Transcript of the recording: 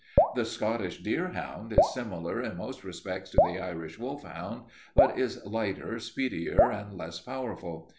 "The Scottish deerhound is similar in most respects to the Irish wolfhound, but is lighter, speedier, and less powerful.